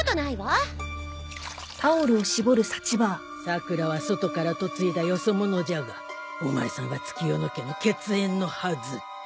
さくらは外から嫁いだよそ者じゃがお前さんは月夜野家の血縁のはず。